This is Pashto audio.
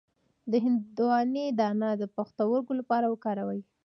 د هندواڼې دانه د پښتورګو لپاره وکاروئ